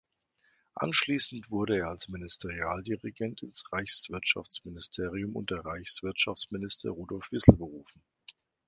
Anschließend wurde er als Ministerialdirigent ins Reichswirtschaftsministerium unter Reichswirtschaftsminister Rudolf Wissell berufen.